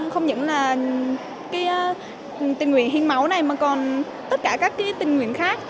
không những là tình nguyện hiến máu này mà còn tất cả các tình nguyện khác